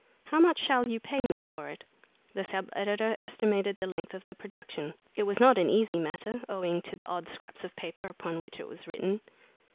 "How much shall you pay me for it?" The sub editor estimated the length of the production. It was not an easy matter, owing to the odd scraps of paper upon which it was written.